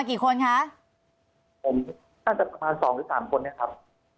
๓คนนะครับ